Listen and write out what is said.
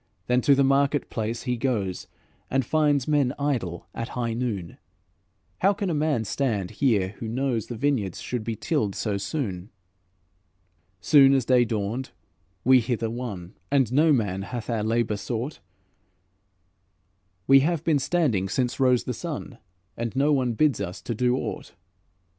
Then to the market place he goes, And finds men idle at high noon: 'How can a man stand here who knows The vineyards should be tilled so soon?'" "'Soon as day dawned we hither won, And no man hath our labour sought; We have been standing since rose the sun And no one bids us to do aught.'